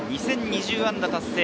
２０２０安打達成。